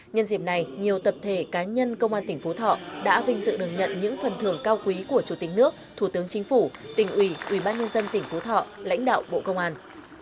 nhân dịp này nhiều tập thể cá nhân công an tỉnh phú thọ đã vinh dự đồng nhận những phần thưởng cao quý của chủ tịch nước thủ tướng chính phủ tỉnh ủy ubnd tỉnh phú thọ lãnh đạo bộ công an